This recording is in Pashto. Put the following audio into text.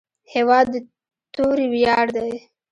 هېواد د توري ویاړ دی.